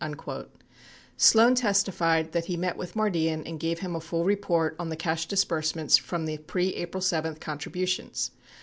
74 Sloan testified that he met with Mardian and gave him a full report on the cash disbursements from the pre April 7 contribu tions.